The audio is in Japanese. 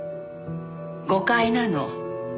誤解なの。